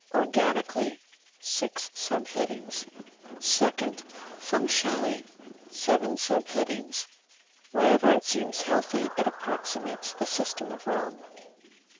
ORGANICALLY (six sub headings). 2. FUNCTIONALLY (seven sub headings) ... Wherever it seems healthy, it approximates the system of Rome.'